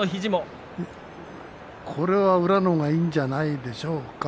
これは宇良のほうがいいんじゃないでしょうか。